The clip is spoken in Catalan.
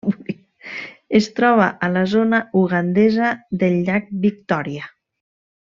Es troba a la zona ugandesa del llac Victòria.